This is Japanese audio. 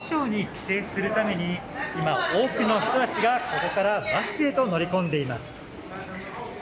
北京市から河北省に帰省するために今、多くの人たちがここからバスへと乗り込んでいます。